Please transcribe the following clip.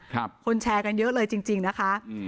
ครับคนแชร์กันเยอะเลยจริงนะคะ